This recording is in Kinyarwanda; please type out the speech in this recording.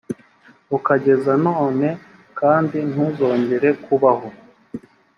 ukageza none kandi ntuzongera kubaho